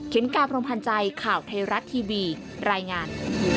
กาพรมพันธ์ใจข่าวไทยรัฐทีวีรายงาน